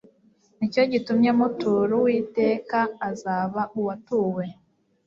ni cyo gitumye mutura uwiteka azaba uwatuwe